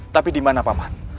tapi dimana pak man